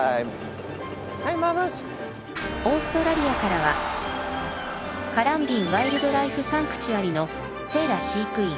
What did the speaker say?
オーストラリアからはカランビン・ワイルドライフ・サンクチュアリのセーラ飼育員。